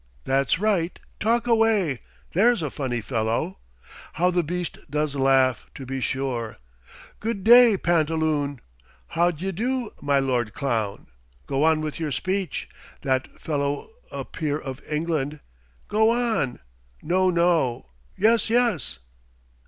"That's right; talk away!" "There's a funny fellow!" "How the beast does laugh, to be sure!" "Good day, pantaloon!" "How d'ye do, my lord clown!" "Go on with your speech!" "That fellow a peer of England?" "Go on!" "No, no!" "Yes, yes!"